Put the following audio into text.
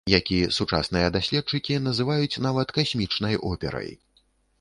Які сучасныя даследчыкі называюць нават касмічнай операй.